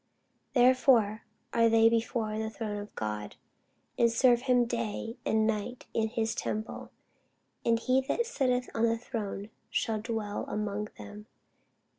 Therefore are they before the throne of God, and serve him day and night in his temple: and he that sitteth on the throne shall dwell among them.